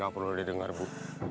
gak perlu didengar bu